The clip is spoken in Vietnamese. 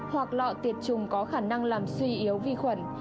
hoặc lọ tiệt trùng có khả năng làm suy yếu vi khuẩn